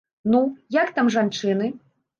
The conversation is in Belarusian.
Ну, як там жанчыны?